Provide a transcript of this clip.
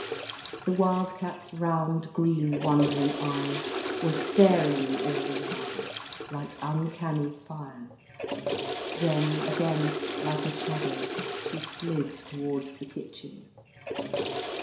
The wild cat's round, green, wondering eyes were staring all the while like uncanny fires. Then again, like a shadow, she slid towards the kitchen.